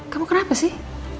kamu kenapa sih